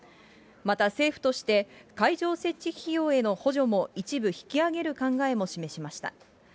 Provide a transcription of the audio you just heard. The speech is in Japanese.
また政府として、会場設置費用への補助も一部引き上げる考えも示しました。